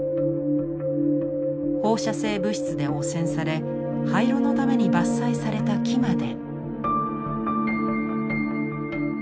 放射性物質で汚染され廃炉のために伐採された木まで。